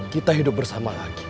kita hidup bersama lagi